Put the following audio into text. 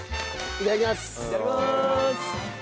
いただきます。